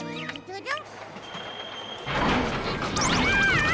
うわ！